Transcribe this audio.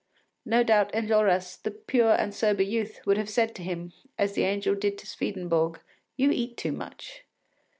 No doubt Enjolras, the pure and sober youth, would have said to him, as the angel did to Swedenborg, “You eat too much.